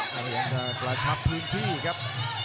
เบียนแต่ประชับพื้นที่ครับ